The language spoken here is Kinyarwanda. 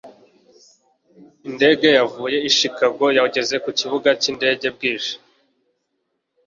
Indege yavuye i Chicago yageze ku kibuga cy'indege bwije.